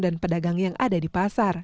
dan pedagang yang ada di pasar